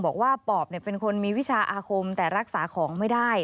บอกว่าปอบเป็นคนมีวิชาอาคมแต่รักษาของไม่ได้